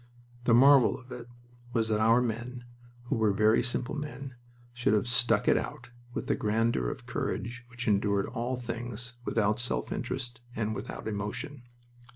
The marvel of it was that our men, who were very simple men, should have "stuck it out" with that grandeur of courage which endured all things without self interest and without emotion.